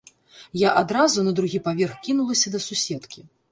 Я адразу на другі паверх кінулася да суседкі.